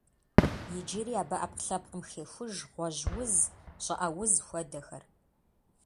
Иджыри абы ӏэпкълъэпкъым хехуж гъуэжь уз, щӏыӏэ уз хуэдэхэр.